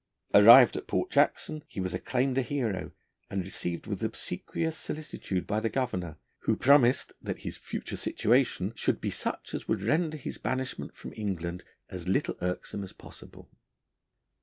Arrived at Port Jackson, he was acclaimed a hero, and received with obsequious solicitude by the Governor, who promised that his 'future situation should be such as would render his banishment from England as little irksome as possible.'